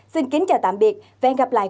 xin kính chào tạm biệt và hẹn gặp lại